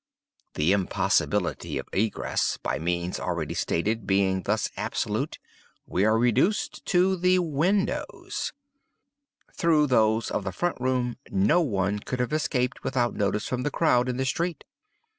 The impossibility of egress, by means already stated, being thus absolute, we are reduced to the windows. Through those of the front room no one could have escaped without notice from the crowd in the street.